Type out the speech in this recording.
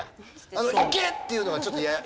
あの「いけ！」っていうのがちょっとややこしくて。